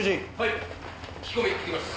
聞き込み行ってきます。